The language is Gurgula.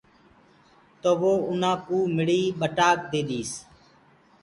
تو وو اُنآ ڪوُ مڙهيٚ ٻٽآڪ ديديس۔